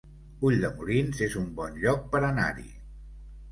Ulldemolins es un bon lloc per anar-hi